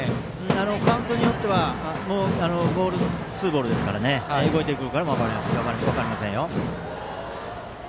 カウントによってはツーボールですから動いていくかも分かりませんよ。